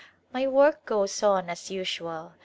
My work goes on as usual.